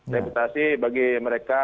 rehabilitasi bagi mereka